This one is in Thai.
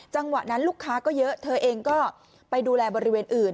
จังหวะนั้นลูกค้าก็เยอะเธอเองก็ไปดูแลบริเวณอื่น